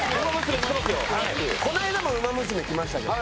この間もウマ娘来ましたけどね